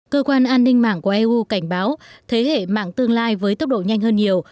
cơ quan an ninh mạng của eu cảnh báo thế hệ mạng tương lai với tốc độ nhanh hơn nhiều